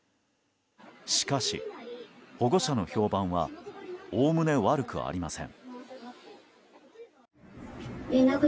しかし、保護者の評判はおおむね悪くありません。